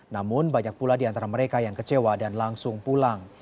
namun banyak pula di antara mereka yang kecewa dan langsung pulang